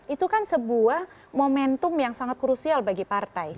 itu kan sebuah momentum yang sangat krusial bagi partai